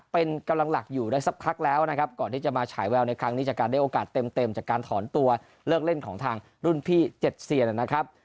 เป็นกำลังหลักอยู่ได้สักพักแล้วนะครับก่อนที่จะมาฉายแววในครั้งนี้จากการได้โอกาสเต็มจากการถอนตัวเลิกเล่นของทางรุ่นพี่เจ็ดเซียนนะครับ